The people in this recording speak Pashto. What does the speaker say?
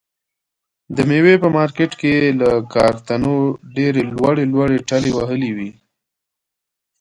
د مېوې په مارکېټ کې یې له کارتنو ډېرې لوړې لوړې ټلې وهلې وي.